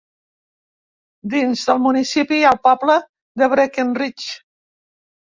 Dins del municipi hi ha el poble de Breckenridge.